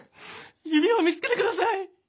指輪を見つけて下さい！